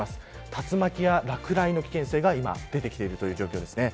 竜巻や落雷の危険性が出てきている状況です。